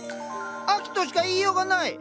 秋としか言いようがない！